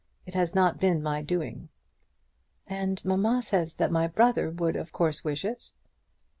It has not been my doing." "And mamma says that my brother would of course wish it."